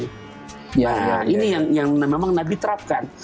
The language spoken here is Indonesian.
nah ini yang memang nabi terapkan